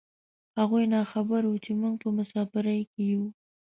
هغوی نه خبر و چې موږ په مسافرۍ کې یو.